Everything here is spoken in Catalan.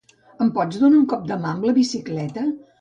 Em pots donar un cop de mà amb la bicicleta?